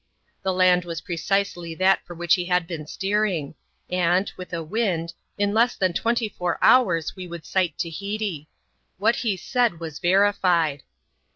The land was pre cisely that for which he had been steering ; and, with a wind, in less than twenty four hours we would sight Tahiti. What he said was verified.